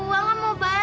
kau ada pak